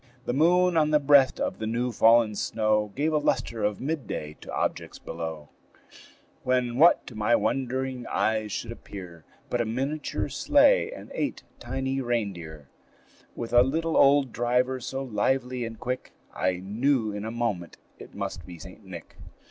The moon on the breast of the new fallen snow Gave a lustre of midday to objects below; When what to my wondering eyes should appear, But a miniature sleigh and eight tiny reindeer, With a little old driver, so lively and quick I knew in a moment it must be St. Nick.